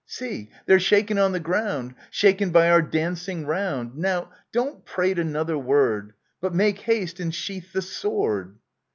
See, they're shaken on the ground, Shaken by our dancing round ! Now, don't prate another word, But make haste and sheathe the sword